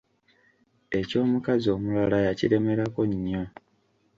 Eky'omukazi omulala yakiremerako nnyo.